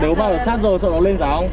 nếu bao giờ sát rồi sợ nó lên giá không